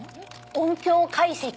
音響解析。